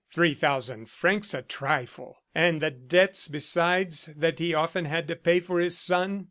"Three thousand francs a trifle!" And the debts besides, that he often had to pay for his son!